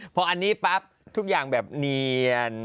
พออันนี้ปั๊บทุกอย่างแบบเนียน